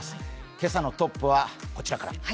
今朝のトップはこちらから。